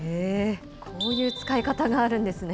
こういう使い方があるんですね。